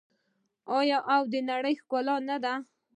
آیا او د نړۍ ښکلا نه دي؟